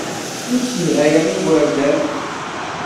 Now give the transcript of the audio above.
Ur ssedhayeɣ igerdan.